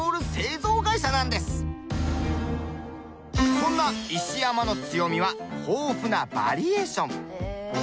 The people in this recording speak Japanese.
そんな石山の強みは豊富なバリエーション。